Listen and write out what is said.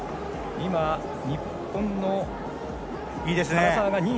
今、日本の唐澤が２位。